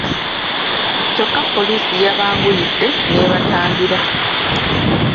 Kyokka poliisi yabanguyidde n'ebatangira.